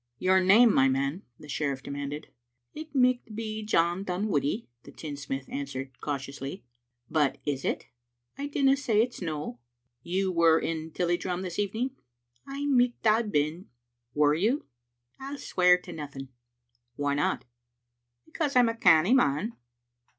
" Your name, my man?" the sheriff demanded. "It micht be John Dunwoodie," the tinsmith an swered cautiously. "But is it?" " I dinna say it's no." " You were in Tilliedrum this evening? " I micht hae been." " Were you?" " I'll swear to nothing/* "Why not?" " Because I'm a canny man."